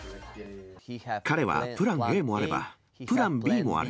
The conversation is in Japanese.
彼はプランＡもあれば、プランＢもある。